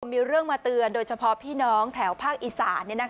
มีเรื่องมาเตือนโดยเฉพาะพี่น้องแถวภาคอีสาน